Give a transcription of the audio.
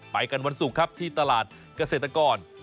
ไปกันวันศุกร์ครับที่ตลาดเกษตรกร